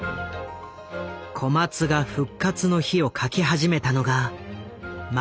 小松が「復活の日」を書き始めたのがまさにその時代。